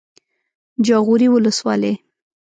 جاغوري ولسوالۍ